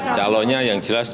calonnya yang jelas